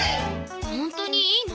ホントにいいの？